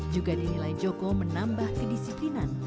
juga dinilai joko menambah kedisiplinan